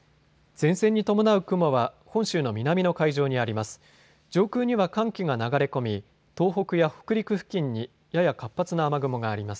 前線に伴う雲は本州の南の海上にあります。